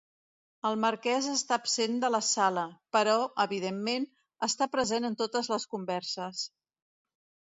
El marquès està absent de la sala, però, evidentment, està present en totes les converses.